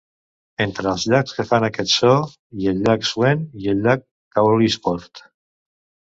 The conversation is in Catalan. Entre els llacs que fan aquest so hi el Llac Sween i el Llac Caolisport.